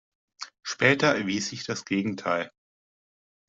Später erwies sich das Gegenteil.